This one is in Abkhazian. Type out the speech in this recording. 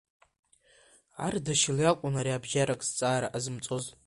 Ардашьыл иакәын ариабжьарак зҵаара ҟазымҵоз.